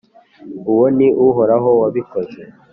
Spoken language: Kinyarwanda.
Uwo ni Uhoraho wabikoze